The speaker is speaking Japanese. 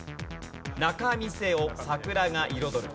仲見世を桜が彩る。